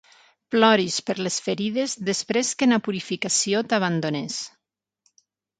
Ploris per les ferides després que na Purificació t'abandonés.